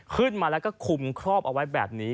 ขึ้นมาแล้วก็คุมครอบเอาไว้แบบนี้